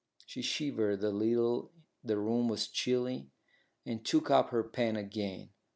She shivered a little the room was chilly and took up her pen again.